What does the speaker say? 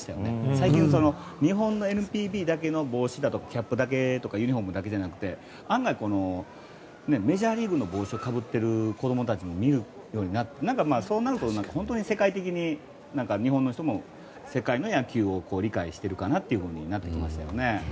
最近、日本のＮＰＢだけのキャップだけとかユニホームだけじゃなくて案外、メジャーリーグの帽子をかぶってる子供たちも見るようになってそうなると本当に世界的に日本の人も世界の野球を理解してるかなとなってきましたよね。